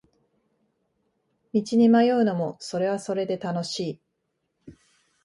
道に迷うのもそれはそれで楽しい